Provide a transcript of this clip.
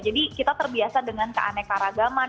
jadi kita terbiasa dengan keanekaragaman